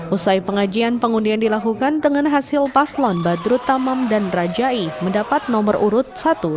usai pengajian pengundian dilakukan dengan hasil paslon badrut tamam dan rajai mendapat nomor urut satu